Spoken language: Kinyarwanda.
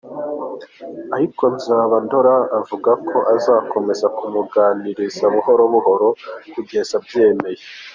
Ariko Nzabandora avuga ko azakomeza kumuganiriza buhoro buhoro kugeza abyemeye.